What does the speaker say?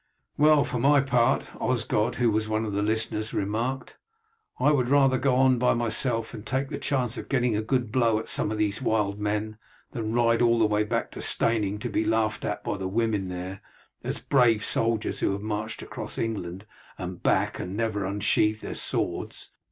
"Well, for my part," Osgod, who was one of the listeners, remarked, "I would rather go on by myself and take the chance of getting a good blow at some of these wild men than ride all the way back to Steyning to be laughed at by the women there, as brave soldiers who have marched across England and back and never unsheathed their swords.